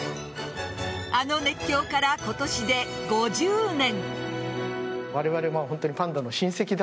あの熱狂から今年で５０年。